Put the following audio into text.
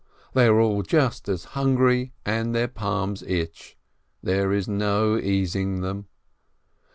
They are all just as hungry and their palms itch — there is no easing them.